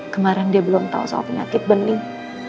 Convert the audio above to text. kemarin dia belum tahu soal penyakit bening